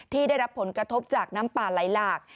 ที่ได้รับผลกระทบจากน้ำป่าไหลหลาก